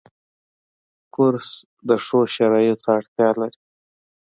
کورس د ښو شرایطو اړتیا لري.